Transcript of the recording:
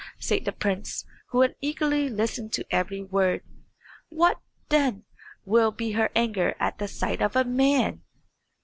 said the prince, who had eagerly listened to every word. "What, then, will be her anger at the sight of a man?"